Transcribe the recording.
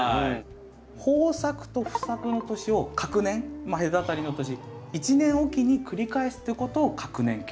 豊作と不作の年を隔年隔たりの年１年おきに繰り返すっていうことを隔年結果って言っていて。